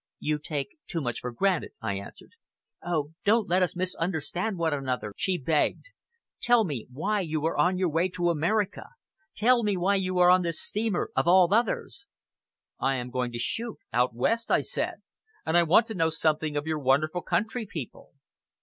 "You take too much for granted," I answered. "Oh! don't let us misunderstand one another," she begged. "Tell me why you are on your way to America! Tell me why you are on this steamer, of all others." "I am going to shoot out West," I said, "and I want to know something of your wonderful country people!"